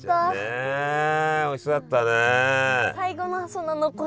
ねおいしそうだったね。